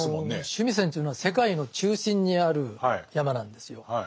須弥山というのは世界の中心にある山なんですよ。